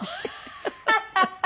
ハハハハ！